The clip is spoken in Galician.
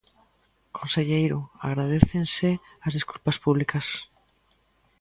Conselleiro, agradécense as desculpas públicas.